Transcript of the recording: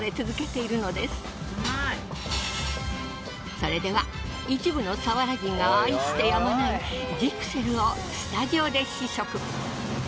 それでは一部の佐原人が愛してやまないジクセルをスタジオで試食！